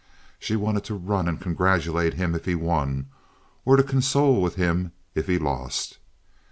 She wanted to run and congratulate him if he won, or to console with him if he lost.